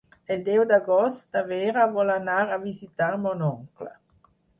El deu d'agost na Vera vol anar a visitar mon oncle.